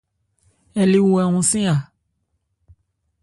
Ɛ le wu hɛ hɔnsɛ́n a.